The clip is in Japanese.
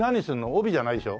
帯じゃないでしょ？